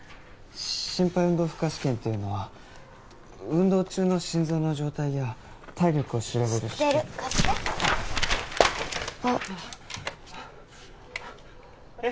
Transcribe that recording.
心肺運動負荷試験っていうのは運動中の心臓の状態や体力を調べる知ってる貸してあっえっ！？